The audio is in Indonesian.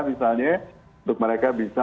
misalnya untuk mereka bisa